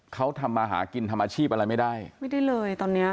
เขาทำมาหากินทำอาชีพอะไรไม่ได้ไม่ได้เลยตอนเนี้ย